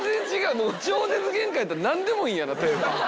もう超絶限界やったら何でもいいんやなテーマ。